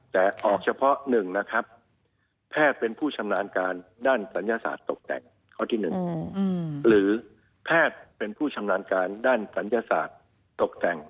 แต่ออกเฉพาะหนึ่งนะครับแพทย์เป็นผู้ชำนาญการด้านศัลยศาสตร์ตกแต่ง